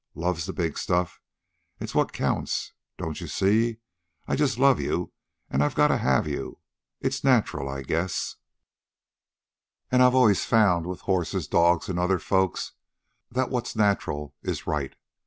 Love's the big stuff. It's what counts. Don't you see? I just love you, an' I gotta have you. It's natural, I guess; and I've always found with horses, dogs, and other folks, that what's natural is right.